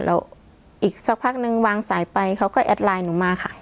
แล้วอีกสักพักนึงวางสายไปเขาก็แอดไลน์หนูมาค่ะ